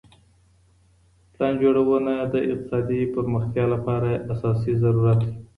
پلان جوړونه د اقتصادي پرمختيا لپاره اساسي ضرورت دی.